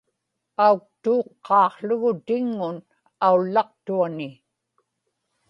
auktuuqqaaqługu tiŋŋun aullaqtuani